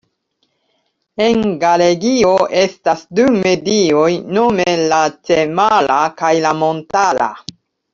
En Galegio estas du medioj nome la ĉemara kaj la montara.